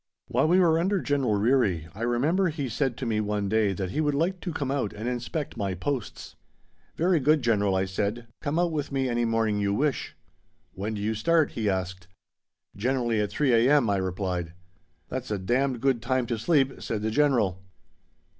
While we were under General Ryrie I remember he said to me one day that he would like to come out and inspect my posts. "Very good, General," I said. "Come out with me any morning you wish." "When do you start?" he asked. "Generally at 3 a.m.," I replied. "That's a d d good time to sleep," said the General.